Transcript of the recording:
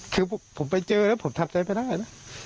คือผมไปเจอแล้วผมทำใจไม่ได้นะ